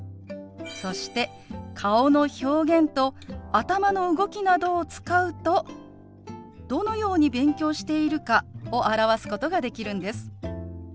そして顔の表現と頭の動きなどを使うとどのように勉強しているかを表すことができるんです。